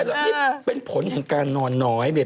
มีแปะล่ะมีเป็นผลของการนอนน้อยเนี่ย